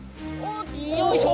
よいしょ！